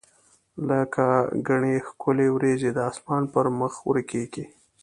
لکه ګڼي ښکلي وریځي د اسمان پر مخ ورکیږي